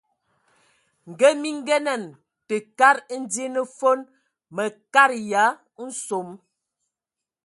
Ngə mi ngənan tə kad ndian fon, mə katəya nsom.